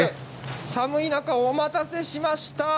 寒い中、お待たせしました。